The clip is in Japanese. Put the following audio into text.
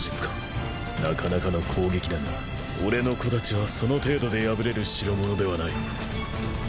なかなかの攻撃だが俺の小太刀はその程度でやぶれる代物ではない。